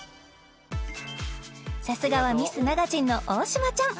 さすがはミスマガジンの大島ちゃん